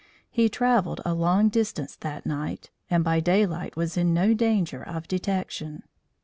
He travelled a long distance that night and by daylight was in no danger of detection.